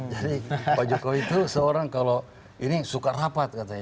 jadi pak jokowi itu seorang kalau ini suka rapat katanya